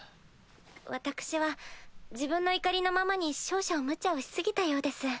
私は自分の怒りのままに少々無茶をし過ぎたようです。